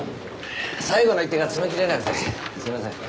最後の一手が詰め切れなくてすいません